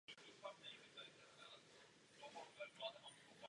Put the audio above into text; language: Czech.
Posun ve vyšetřování přineslo hledání stop ve větším okruhu od místa činu.